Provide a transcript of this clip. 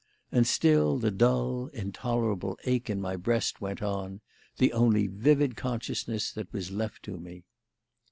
And still the dull, intolerable ache in my breast went on, the only vivid consciousness that was left to me.